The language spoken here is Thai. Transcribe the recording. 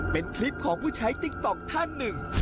เป็นคลิปของผู้ใช้ติ๊กต๊อกท่านหนึ่ง